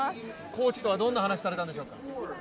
コーチとはどんな話されたんですか？